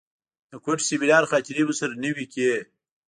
د کوټې سیمینار خاطرې مو سره نوې کړې.